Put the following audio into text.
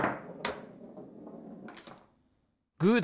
グーだ！